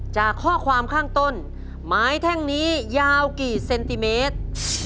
จากข้อความข้างต้นไม้แท่งนี้ยาวกี่เซนติเมตร